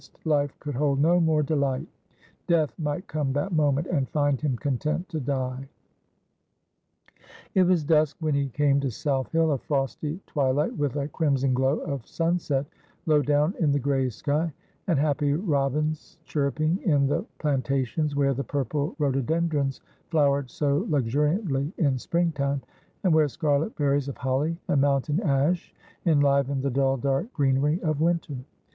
Life could hold no more delight. Death might come that moment and find him content to die. It was dusk when he came to South Hill, a frosty twilight, with a crimson glow of sunset low down in the gray sky, and happy robins chirruping in the plantations, where the purple rhododendrons flowered so luxuriantly in spring time, and where scarlet berries of holly and mountain ash enlivened the dull dark greenery of winter.